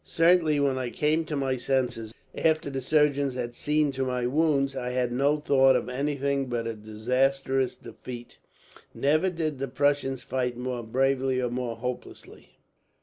Certainly, when I came to my senses, after the surgeons had seen to my wounds, I had no thought of anything but a disastrous defeat. Never did the Prussians fight more bravely, or more hopelessly.